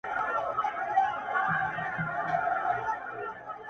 وايي اوس مړ يمه چي مړ سمه ژوندی به سمه”